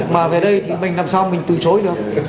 mà về đây thì mình làm sao mình từ chối được